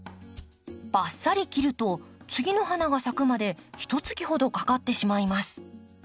バッサリ切ると次の花が咲くまでひと月ほどかかってしまいます。